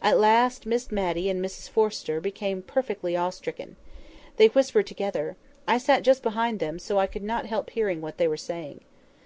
At last Miss Matty and Mrs Forrester became perfectly awestricken. They whispered together. I sat just behind them, so I could not help hearing what they were saying.